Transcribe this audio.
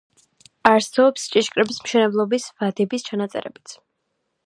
არსებობს ჭიშკრების მშენებლობის ვადების ჩანაწერებიც.